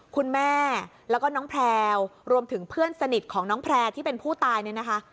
คุณแม่แล้วก็น้องแพลวรวมถึงเพื่อนสนิทของน้องแพร่ที่เป็นผู้ตายเนี่ยนะคะ